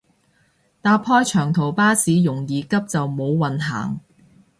搭開長途巴士容易急就冇運行